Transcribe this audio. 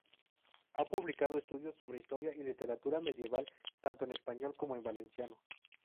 Ha publicado estudios sobre historia y literatura medieval, tanto en español como en valenciano.